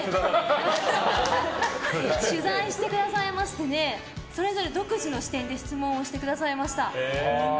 取材してくださいましてそれぞれ独自の視点で質問してくださいました。